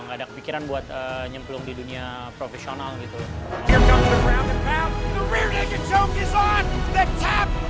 gak ada kepikiran buat nyemplung di dunia profesional gitu